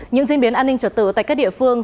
những diễn biến an ninh trật tự tại các địa phương